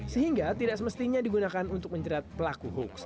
sehingga tidak semestinya digunakan untuk menjerat pelaku hoax